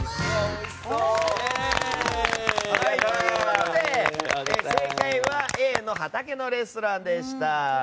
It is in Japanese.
ということで正解はＡの畑のレストランでした。